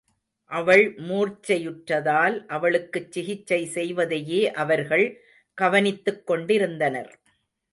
அவள் மூர்ச்சையுற்றதால் அவளுக்குச் சிகிக்சை செய்வதையே அவர்கள் கவனித்துக்கொண்டிருந்தனர்.